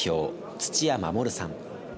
土屋守さん。